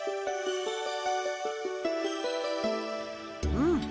うん。